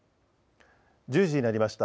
１０時になりました。